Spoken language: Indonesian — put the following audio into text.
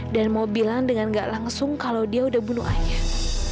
dan mau bilang dengan gak langsung kalau dia udah bunuh ayah